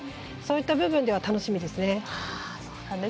そういった部分では楽しみですね。